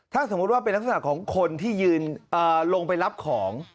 ถ้าสมมุติว่าเป็นลักษณะของคนที่ยืนลงไปรับของ